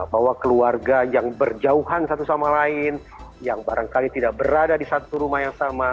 bahwa keluarga yang berjauhan satu sama lain yang barangkali tidak berada di satu rumah yang sama